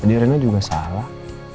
jadi rena juga salah